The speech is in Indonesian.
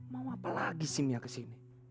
mau apa lagi sih mia kesini